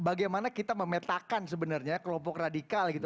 bagaimana kita memetakan sebenarnya kelompok radikal gitu